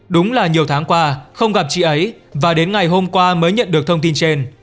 đúng là nhiều tháng qua không gặp chị ấy và đến ngày hôm qua mới nhận được thông tin trên